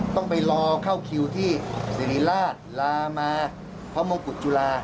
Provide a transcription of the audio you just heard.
ต้องไปรอเข้าคิวที่สิริราชลามาพระมงกุฎจุฬา